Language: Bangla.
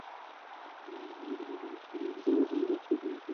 জ্ঞানলাভেচ্ছু ব্যক্তিকে সর্বপ্রথমে ভয় হইতে মুক্ত হইতে হইবে।